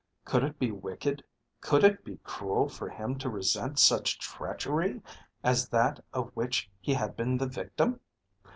Could it be wicked, could it be cruel for him to resent such treachery as that of which he had been the victim?